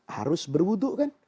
harus berwudhu kan